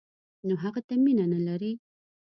نو هغه ته مینه نه لري.